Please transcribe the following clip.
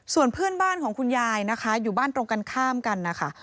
ส่วนเพื่อนบ้านของคุณยายนะคะอยู่บ้านตรงกันข้ามกันนะคะ